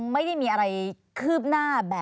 มีความรู้สึกว่า